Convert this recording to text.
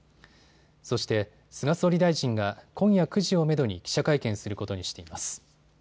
そして菅総理大臣が今夜９時をめどに記者会見することにしています。